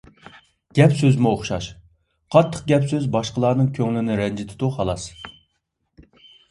گەپ-سۆزمۇ ئوخشاش. قاتتىق گەپ-سۆز باشقىلارنىڭ كۆڭلىنى رەنجىتىدۇ، خالاس.